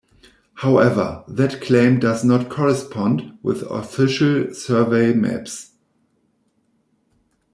However, that claim does not correspond with official survey maps.